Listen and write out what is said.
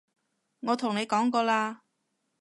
我同你講過啦